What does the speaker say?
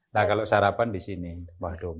nah kalau sarapan di sini mbah domo